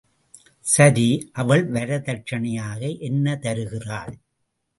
சரி, அவள் வரதட்சணையாக என்ன தருகிறாள்?